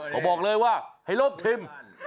ก็บอกเลยว่าให้ลบทีม